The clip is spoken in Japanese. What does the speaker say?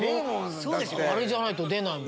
あれじゃないと出ない。